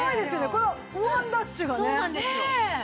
このワンダッシュがね。